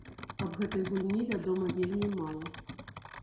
Аб гэтай гульні вядома вельмі мала.